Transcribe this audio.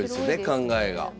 考えが。